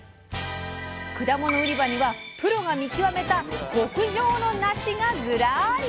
果物売り場にはプロが見極めた極上のなしがズラーリ！